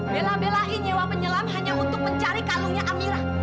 bela belain nyewa penyelam hanya untuk mencari kalungnya amirah